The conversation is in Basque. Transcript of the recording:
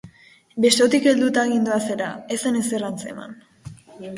Besotik helduta gindoazela, ez zen ezer antzematen.